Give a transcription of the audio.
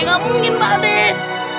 ga mungkin pak deh